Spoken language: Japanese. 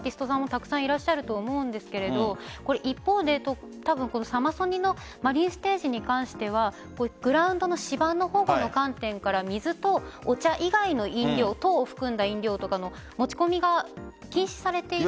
たくさんいらっしゃると思うんですが一方で、サマソニのマリンステージに関してはグラウンドの芝の観点から水とお茶以外の飲料とか持ち込みが禁止されていて。